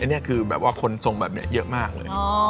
เนี่ยคือคนทรงแบบนี้เยอะมากเลย